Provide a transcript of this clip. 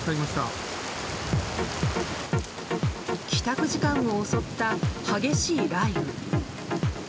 帰宅時間を襲った激しい雷雨。